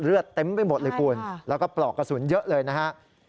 เต็มไปหมดเลยคุณแล้วก็ปลอกกระสุนเยอะเลยนะครับ